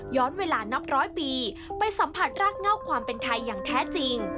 เวลานับร้อยปีไปสัมผัสรากเง่าความเป็นไทยอย่างแท้จริง